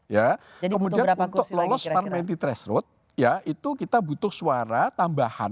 ya kemudian untuk lolos parliamentary threshold ya itu kita butuh suara tambahan